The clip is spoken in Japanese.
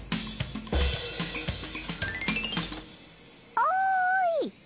おい！